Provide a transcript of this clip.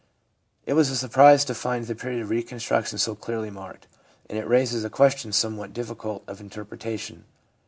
It was a surprise to find the period of reconstruction so clearly marked, and it raises a question somewhat difficult of interpretation.